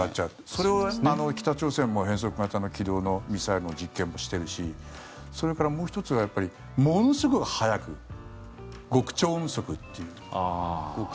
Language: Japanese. それを北朝鮮も、変則型の軌道のミサイルの実験もしてるしそれからもう１つはやっぱりものすごい速く極超音速。